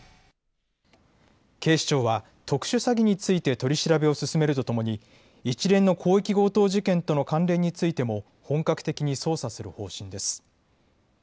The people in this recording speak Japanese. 警視庁は特殊詐欺について取り調べを進めるとともに一連の広域強盗事件との関連についても本格的に捜査する方針です。